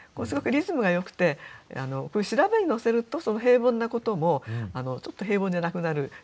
すごくリズムがよくて調べに乗せるとその平凡なこともちょっと平凡じゃなくなる